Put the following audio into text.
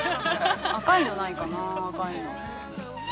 赤いのないかな、赤いの。